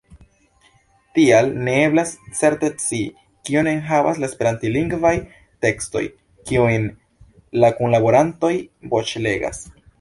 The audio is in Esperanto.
Tial ne eblas certe scii, kion enhavas la esperantlingvaj tekstoj, kiujn la kunlaborantoj voĉlegas.